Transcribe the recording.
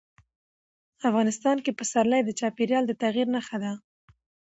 افغانستان کې پسرلی د چاپېریال د تغیر نښه ده.